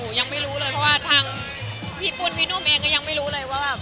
ยังไม่รู้เลยเพราะว่าทางพี่ปุ้นพี่นุ่มเองก็ยังไม่รู้เลยว่าแบบ